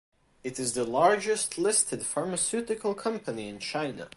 It is the largest listed pharmaceutical company in China.